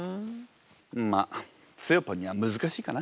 まあつよぽんには難しいかな。